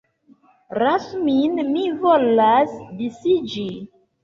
Lasu min, mi volas disiĝi!